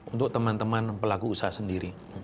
untuk teman teman pelaku usaha sendiri